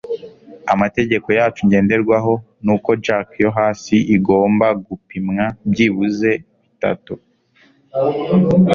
Amategeko yacu ngenderwaho ni uko jack yo hasi igomba gupimwa byibuze bitatu